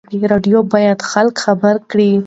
راډیو باید خلک خبر کړي.